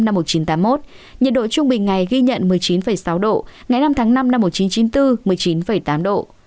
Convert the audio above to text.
nhiệt độ trung bình ngày ghi nhận một mươi chín sáu độ ngày năm tháng năm năm một nghìn chín trăm chín mươi bốn một mươi chín tám độ